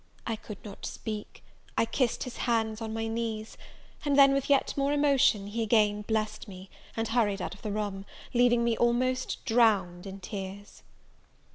I could not speak; I kissed his hands on my knees: and then, with yet more emotion, he again blessed me, and hurried out of the room, leaving me almost drowned in tears.